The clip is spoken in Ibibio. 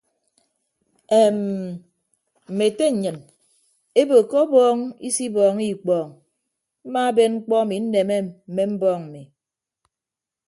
Eem mme ete nnyịn ebo ke ọbọọñ isibọọñọ ikpọọñ mmaaben mkpọ emi nneme mme mbọọñ mmi.